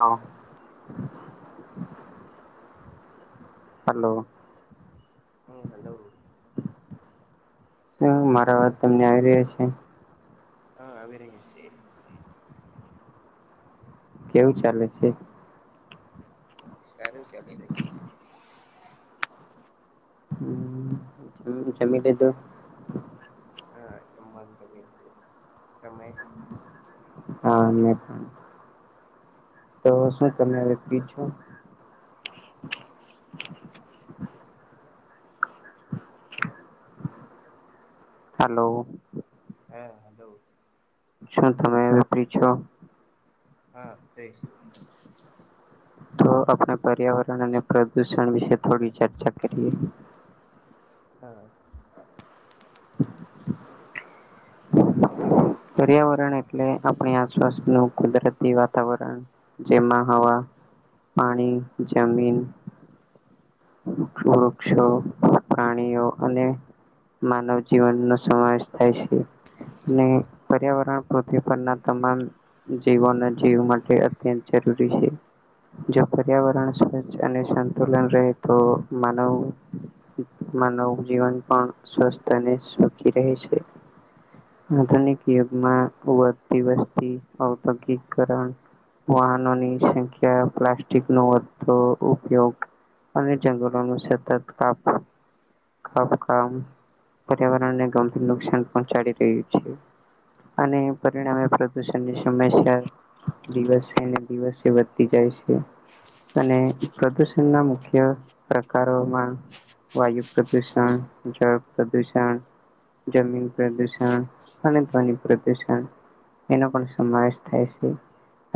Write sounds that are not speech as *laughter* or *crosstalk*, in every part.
હા *inaudible* હલો હમ હલો મારા અવાજ તમને આવી રહી છે. હા આવી રહી છે. કેવું ચાલે છે? સારું ચાલી રહ્યું છે. હ જમી લીધું? હા જમવાનું જમી લીધું. તમે? હા તો શું તમે હવે ફ્રી છો? હલો હા હલો શું તમે રેડી છો? હા ક શ તો આપણે પર્યાવરણ અને પ્રદુષણ વિશે થોડી ચર્ચા કરીએ. હા પર્યાવરણ એટલે આપણી આસપાસનું કુદરતી વાતાવરણ જેમાં હવા પાણી જમીન વૃક્ષો પ્રાણીઓ અને માનવ જીવન નો સમાવેશ થાય છે. પર્યાવરણ પૃથ્વી પરના તમામ જીવન જીવ માટે અત્યંત જરૂરી છે. જો પર્યાવરણ સ્વચ્છ અને સંતુલન રહે તો માનવ માનવ જીવન પણ સ્વસ્થ અને સુખી રહે છે. આધુનિક યુગમાં દિવસથી ઔદ્યોગિકરણ વાહનોની સંખ્યા પ્લાસ્ટિક નો વધતો ઉપયોગ અને જંગલોનું સતત કાપવું કામ પર્યાવરણને ગંભીર નુકસાન પહોચાડી રહ્યુ છે. અને પરિણામે પ્રદુષણ ની સમસ્યા દિવસે ને દિવસે વધતી જાય છે. અને પ્રદુષણ ના મુખ્ય પ્રકારોમા વાયુ પ્રદૂષણ જળ પ્રદૂષણ જમીન પ્રદૂષણ અને ધની પ્રદૂષણ એનો પણ સમાવેશ થાય છે.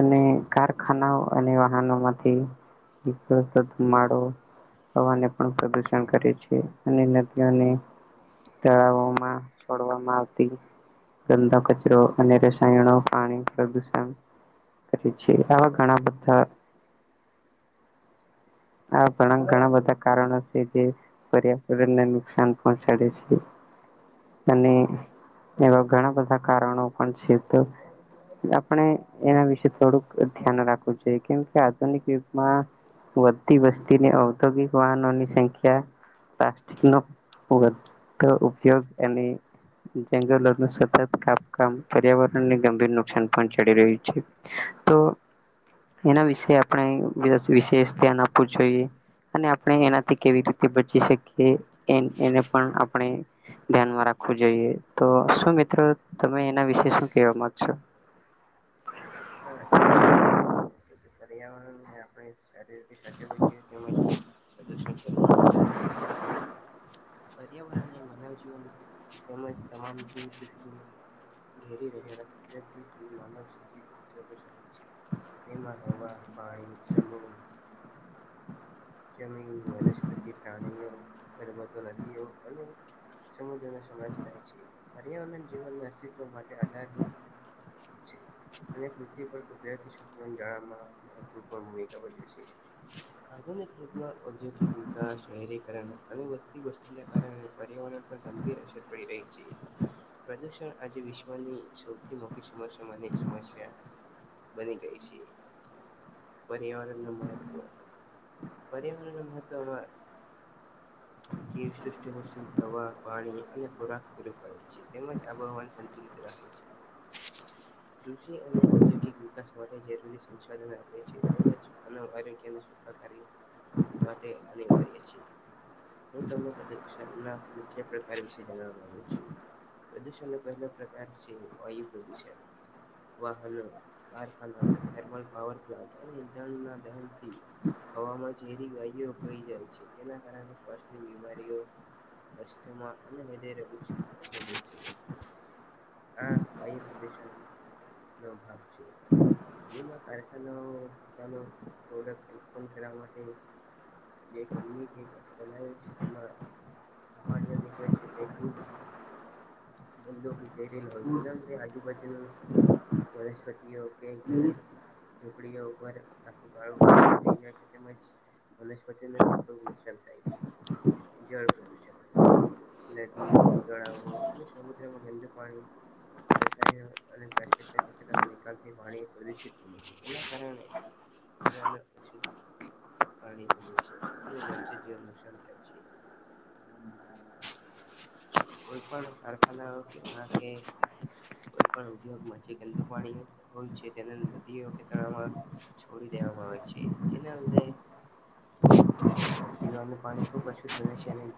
અને કારખાનાઓ અને વાહનો માંથી માળો હવાને પણ પ્રદુષણ કરે છે, અને નદીઓને તળાવો માં છોડવામાં આવતી ગંધા કચરો અને રસાયણો પાણી પ્રદુષણ છે આવા ઘણા બધા આ ઘણા ઘણા બધા કારણો છેજે. પર્યાવરણને નુકસાન પહોંચાડે છે. અને એવા ઘણા બધા કારણો પણ છે, તો આપણે એના વિશે થોડુંક ધ્યાન રાખવું જોઈએ કેમ કે આધુનિક યુગમા વધતી વસ્તીને ઔદ્યોગિક વાહનોની સંખ્યા પ્લાિકનોગ તો ઉપયોગ એની જંગલોનું સતત કામ પર્યાવરણને, ગંભીર નુકસાન પણ ચડી રહ્યું છે. તો એના વિશે આપણે વિશેષ ધ્યાન આપવું જોઈએ. અને આપણે એનાથી કેવી રીતે બચી શકીએ, એને પણ આપણે ધ્યાનમાં રાખવું જોઈએ, તો શું મિત્રો, તમે એના વિશે શું કેવા માંગશો? હા, તમારી વાત કેર છે પર્યાવરણ‌. શારીર શાખ પજી કે, પ્રદૂષણ કરું ના. પર્યાવરણ એ માનવજીવન તેમજ તમામ દી દૃ્ટિને. ધરી રહેલા કુદ્યર્થી કો માનવ સચિત શક છે. તેમાં હવા, પાણી, શમું. જમીન, વનસ્પતિ, પ્રાણીઓ, ગર્વતો નદીઓ અને સમુદ્ર નો સમાવેશ થાય છે પર્યાવરણ જીવનને અસ્તિત્વ માટે આધારરૂપ *unintelligible* અને પૃથ્વી પર કુદરતી સત્ર જાવામાં મહત્વપૂણ ભૂમિકા ભજવે છે. યોગના ઔદ્યોગિકતા શહેરીકરણ અને વધતી વસ્તુને કારણે પર્યાવરણ પર ગંભીર અસર બડી રહી છે. પ્રદૂષણ આજે વિશ્વની સૌથી મોટી સમસ્યામાં એક સમસ્યા બની ગઈ છે પર્યાવરણ ન મહત્વ પર્યાવરણ મહત્વ હ જીવસૃષ્ટિને શુદ્ધ હવા પાણી અને ખોરાક પૂરો પાડે છે, તેમજ આબોહવાને સંતુલિત અ રાખે છે. કૃષિ અને ઔદ્યોગિક વિકાસ માટે જરૂરી સંસાધન આપે છે, તેમજ અને આરોગ્યની સુતાકાર માટે અનિવાર્ય છે. હુ તમને પ્રદર્શનના મુખ્ય પ્રકાર વિશે જાણવા માગુ છુ. પ્રદૂષણ ન પહેલો પ્રકાર છે, વાયુ પ્રદૂષણ વાહનો કારખાનાઓ થર્મલ પાવર પ્લાન્ટ અને ધણ ના દહનથી હવામાં ઝેરી ગાય ભઈ જાય છે, તેના કારણે શ્વાસની બીમારીઓ વસ્તુમાં અને વધેરે ઉચ્ચ આ વાયુ પ્રદુષણ નો ભાગ છે. ના કારખાનાઓ પોતાનો પ્રોડક્ટ ઉત્પન્ન કરવા માટે જે ગમી કેક બનાવેલી છે, તે મારા નીકળે છે, તે ખબ ધંધ બેેરેને હોતીન અમ આજુબાજનું વનસ્પતિ ઓકે ઘર ઝીપડીઓ ઉપર આખું કાળું કાળું થઈ જાય છે, તેમજ વનસ્પતિને પણ થોડુંક નુકસાન થાય છે. જળ પ્રદુષણ નદીઓ તળાવો અને સમુદ્રમાં ગંદ ઉપરી રસાયણ અને પ્લાસ્ટિકના ખચરા નિકાલથી પાણી પ્રદુષિત છે, તે કારણે પ અને આશવુ પાણી બમે છે અને જળજ જીવન નુકસાન થાય છે. કોઈ પણણ કારખનાાઓ કેવા કે કોઈ પણ ઉદ્યોગમાં જે ગંદુ પાણી હોય છે, તે નદીઓ કે તમા છોડી દેવામાં આવે છે એના લીધે. પીવાનું પાણી ખુબ અછૂત બને છે અને,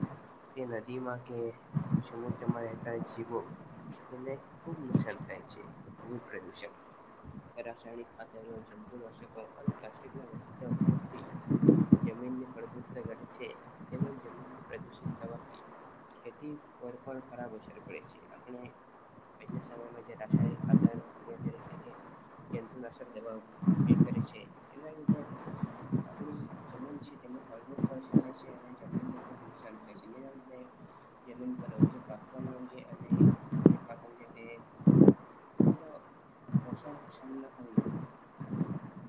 તે નદીમાં કે સમુદ્રમાં રહેતા જીવો એને ખૂબ નુકસાન થાય છે મૂળ પ્રદૂષણ. રાસાયણિક ખાતરો જંતુનાશકો અને પ્લાસ્ટિકના વધતા ઉપયોગથી. જમીનની ફળદ્રુપતા ઘટે છે તેમ જમીન પ્રદુષિત થવાથી. ખેતી પર પણ ખરાબ અસર પડે છે. આપણે આજના સમયમાં જે રાસાયણિક ખાતર ઉપયોગ કરી શકે જંતુનાશક દવાઓ. તે કરે છે. એના લીધે આપણી જમીન છે તેની ફળ ફળદ્રુપતા ઓછી થાય છે અને જમીનને ખૂબ નુકસાન થાય છે જેના લીધે. જમીન પર અયોગ્ય પાક પણ ન ઉગે અને જે પાક ઉગે તે મિત્ર ઓસણ શમલા હોઇ.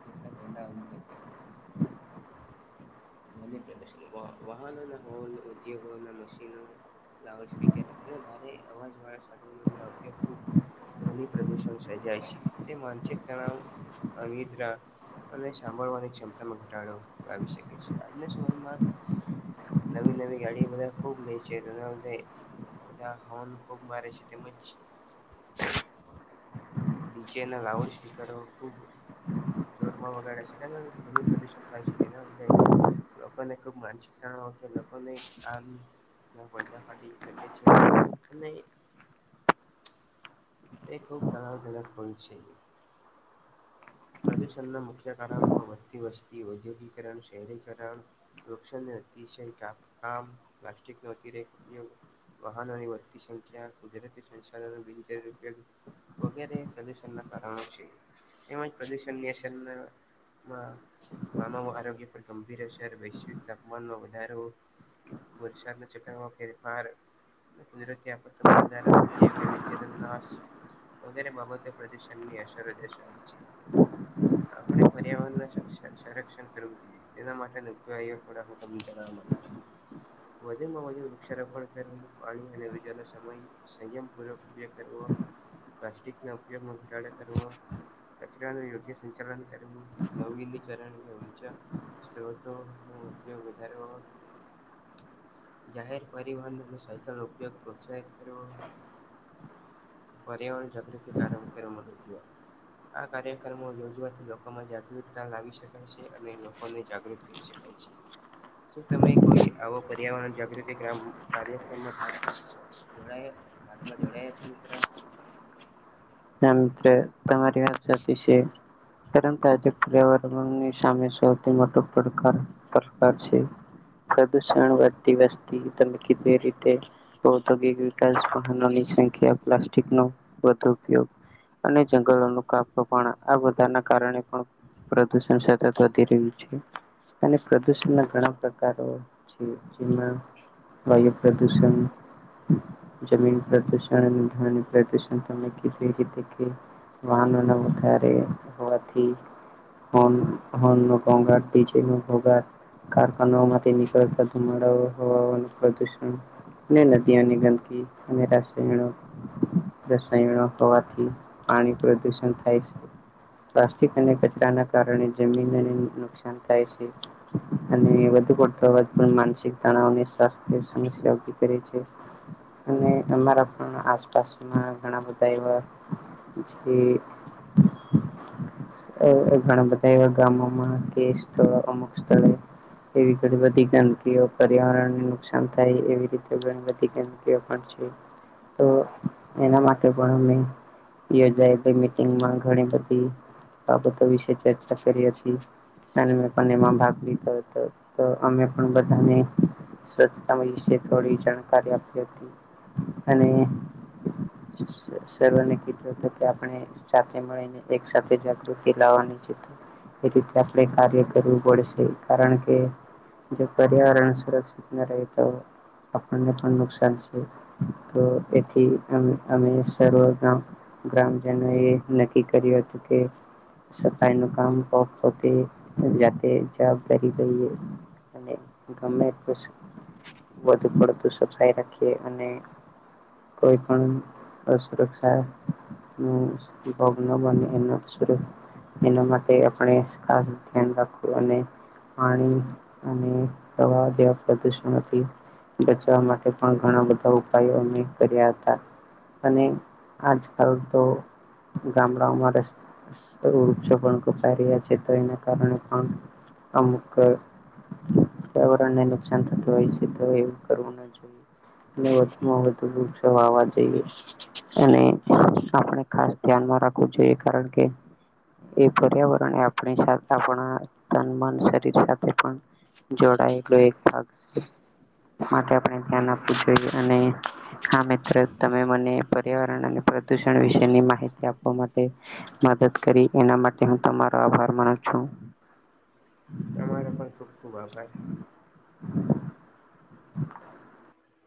એટલે પેલા આવું થતુ. ધ્વનિ પ્રદુષણ વા વાહનના હૉર્ન ઉદ્યોગોના મશીનનો લાઉડ સ્પીકર અને ભારે અવાજ વાળા સાધનોના ઉપયોગથી ધ્વનિ પ્રદૂષણ સર્જાય છે તે માનસિક તણાવ, અનિદ્રા, અને સાંભળવાની ક્ષમતામાં ઘટાડો લાવી શકે છે આજના સમયમાં નવી-નવી ગાડી બધા ખૂબ લે છે એના લીધે. બધા હોન ખૂબ મારે છે તેમજ નીચેના લાઉડ સ્પીકરો ખૂબ જોરમાં વગાડે છે અને ધ્વનિ પ્રદૂષણ થાય છે એના લીધે લોકોને ખુબ માનસિક થયેલો લોકોને આમ ના પડદા ફાટી શકે છે અને તે ખૂબ તણાવજનક હોલ છે. પ્રદૂષણના મુખ્ય કારણોમાં વધતી વસ્તી, ઔદ્યોગીકરણ, શહેરીકરણ વૃક્ષને અતિશય કાપ કામ, પ્લાસ્ટિકનો અતિરેક ઉપયોગ. વાહનોની વધતી સંખ્યા, કુદરતી સંચાલન બિનજરૂરી ઉપયોગ વગેરે પ્રદૂષણના કારણો છે. તેમજ પ્રદૂષણની અસંગના. મા માનવ આરોગ્ય પર ગંભીર અસર વૈશ્વિક તાપમાનમાં વધારો. વરસાદના ચક્રમાં ફેરફાર. કુદરતી આપત્તમાં વધારાનું જેમ વૈવિધ્ય નાસ. વગેરે બાબતે પ્રદૂષણને અશર વધી શકે છે. આપણે પર્યાવરણના સં સં સંરક્ષણ કરવું જોઈએ. તેના માટેના થોડા ઉપાયો એ હું તમને જણાવવા માંગુ છું. વધુમાં વધુ વૃક્ષારોપણ કરવું પાણી અને ઉર્જાનો સમય. સંયમ પૂર્વક ઉપયોગ કરવો, પ્લાસ્ટિક ના ઉપયોગ ઘટાડો કરવો, ઊર્જાનો યોગ્ય સંચાલન કરવું નવીનીકરણ અને ઉર્જા સ્ત્રોતો અને ઉપયોગ વધારે જાહેર પરિવહન અને સાયકલનો ઉપયોગ પ્રોત્સાહિત કરવો. પર્યાવરણ જાગૃતિ કારમ કરે કરમ ઉજવ્યા. આ કાર્યક્રમો યોજવાથી લોકોમાં જાગૃતતા લાવી શકાય છે અને લોકોને જાગૃત કરી શકાય છે. *inaudible* શું તમે કોઈ આવો પર્યાવરણ જાગૃતિ ગ્રામ કાર્યક્રમમાં ભાગ જોડાયા ભાગમાં જોડાયા છે મિત્ર. હા મિત્ર તમારી વાત સાચી છે. પરંતુ આજે પર્યાવરણની સામે સૌથી મોટો પડકાર પડકાર છે. પ્રદૂષણ વતી વસ્તી તમે કીધું તે રીતે. ઔદ્યોગિક વિકાસ સાધનોની સંખ્યા, પ્લાસ્ટિકનો વધુ ઉપયોગ- અને જંગલોનું કાપ પણ આ બધાના કારણે પણ પ્રદુષણ સતત વધી રહ્યું છે અને પ્રદુષણ ના ઘણા પ્રકારો છે જેમાં વાયુ પ્રદૂષણ- જમીન પ્રદુષણ અને ધ્વનિ પ્રદુષણ તમે કે *unintelligible* વાહનો ના વધારે હોવાથી હોન હોનનો ઘોંધાટ ડીજે નો ઘોઘાટ કારખાના માંથી નીકળતા ધુમાડાઓ હવાનું પ્રદુષણ ને ન તેની ગંદકી અને રસાયણો રસાયણો હોવાથી પાણી પ્રદુષણ થાય છે. પ્લાસ્ટિક અને કચરાના કારણે જમીનોનું નુકસાન થાય છે. અને વધું કરતો અવાજ પણ માનસિક તણાવને સ્વાસ્થ્ય સમસ્યા ઉભી કરે છે. અને અમારા પણ આસપાસમાં ઘણા બધા તહેવાર મુજ કે અ અવ ઘણા બધા એવા ગામોમાં કે સ્થળ અમુક સ્થળે એવી ઘણી બધી ગંદકીઓ પર્યાવરણને નુકસાન થાય એવી રીતે ઘણી બધી ગંદ કીઓ પણ છે તો એના માટે પણ અમે યોજાયે તે મીટિંગમાં ઘણી બધી બાબતો વિશે ચર્ચા કરી હતી પણ પણ એમાં ભાગ લીધો હતો તો અમે પણ બધાને સ્વચ્છતા વિશે થોડી જાણકારી આપી હતી અને સ સર્વને કીધું હતુ કે આપણે સાથે મળીને એક સાથે જાગૃતિ લાવવાની છે. એ રીતે આપણે કાર્ય કરવું પડશે કારણ કે જો પર્યાવરણ સુરક્ષિત ન રહે તો આપણ ને તો નુકસાન છે તો એથી અ અમે સર્વ ગ્રા ગ્રામજનોએ નક્કી કર્યું હતું કે સફાઈનું કામ *unintelligible* બહતે *unintelligible* જાતે જાવ કરીએ. અને ગમે પશ વધુ પડતુ સફાઈ રાખીએ અને કોઈ પણ અ સુરક્ષા નો ભગ ન બને એના સુર એના માટે આપણે ખાસ ધ્યાન રાખવું અને પાણી અને પ્રવાહ જેવા પ્રદુષણથી બચવા માટે પણ ઘણા બધા ઉપાયો અમે કર્યા હતા. અને આજકાલ તો ગામડાઓમાં રસ્ત ઓ વૃક્ષો પણ કપાઈ રહ્યા છે તો એના કારણે પણ અમુક પર્યાવરણને નુકસાન થતું હોય છે તો એવું કરવું ન જોઈએ. વધુ માં વધુ વૃક્ષો વાવા જોઈએ. અને આપણે ખાસ ધ્યાનમાં રાખવું જોઈએ કારણ કે એ પર્યાવરણ આપણી સતા પણ તન મન શરીર સાથે પણ જોડાયેલો એક ભાગ માટે આપણે ધ્યાન આપવું જોઈએ અને હા મિત્રો તમે મને પર્યાવરણ અને પ્રદુષણ વિશેની માહિતી આપવા માટે મદદ કરી એના માટે હું તમારો આભાર માનું છું. તમારો પણ ખૂબ ખૂબ આભાર.